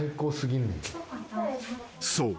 ［そう。